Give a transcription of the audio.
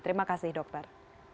terima kasih dokter